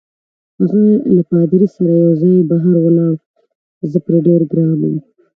هغه له پادري سره یوځای بهر ولاړ، زه پرې ډېر ګران وم.